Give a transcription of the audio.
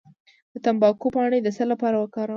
د تمباکو پاڼې د څه لپاره وکاروم؟